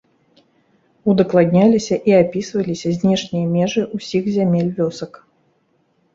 Удакладняліся і апісваліся знешнія межы ўсіх зямель вёсак.